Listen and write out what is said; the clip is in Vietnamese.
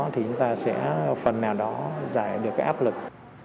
thì chúng ta sẽ phần nào đó giải được cái áp lực